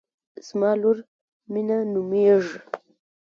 زما لور مینه نومیږي